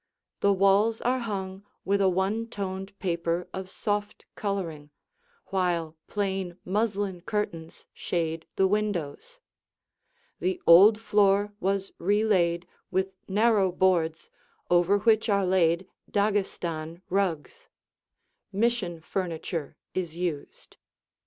The walls are hung with a one toned paper of soft coloring, while plain muslin curtains shade the windows. The old floor was re laid with narrow boards over which are laid Daghestan rugs; Mission furniture is used.